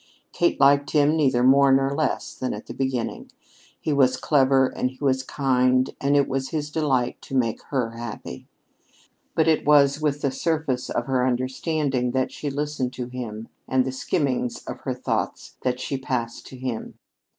Kate liked him neither more nor less than at the beginning. He was clever and he was kind, and it was his delight to make her happy. But it was with the surface of her understanding that she listened to him and the skimmings of her thoughts that she passed to him.